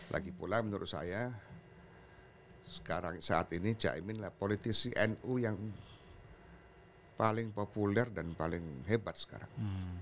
lagipula menurut saya sekarang saat ini cak emin lah politisi nu yang paling populer dan paling hebat sekarang